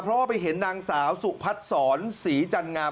เพราะว่าไปเห็นนางสาวสุขพัดสอนสีจันทร์งาน